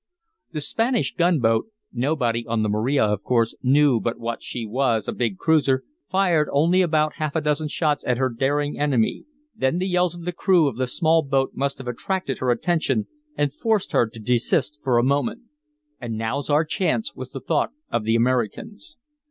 The Spanish gunboat (nobody on the Maria, of course, knew but what she was a big cruiser) fired only about half a dozen shots at her daring enemy; then the yells of the crew of the small boat must have attracted her attention and forced her to desist for a moment. "And now's our chance," was the thought of the Americans.